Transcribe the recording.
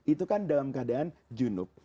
itu kan dalam keadaan jenuk